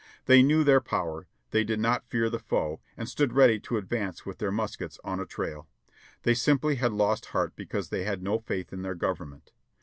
They knew their power; they did not fear the foe, and stood ready to advance with their muskets on a trail. They simply had lost heart because they had no faith in their Gov ernment.